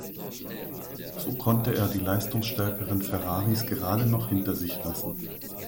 So konnte er die leistungsstärkeren Ferraris gerade noch hinter sich lassen.